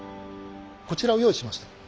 こちらを用意しました。